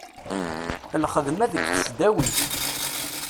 Lxedma deg tesdawit;